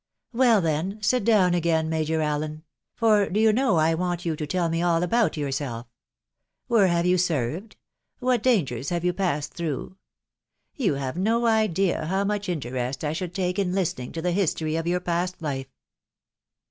" Well, then .... sit down again, Major Allen .... for do you know, I want you to tell me all about yourself. .... Where have you served ?— what dangers have you passed through? You have no idea how much interest I should take in listening to the history of your past life."